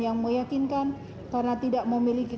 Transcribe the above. yang meyakinkan karena tidak memiliki